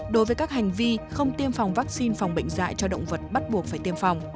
đối với các hành vi không tiêm phòng vaccine phòng bệnh dạy cho động vật bắt buộc phải tiêm phòng